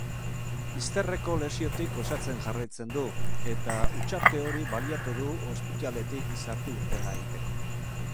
Izterreko lesiotik osatzen jarraitzen du eta hutsarte hori baliatu du ospitaletik sartu-irtena egiteko.